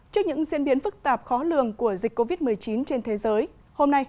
trước những diễn biến phức tạp khó lường của dịch covid một mươi chín trên thế giới hôm nay